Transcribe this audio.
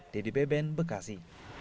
dedy beben bekasi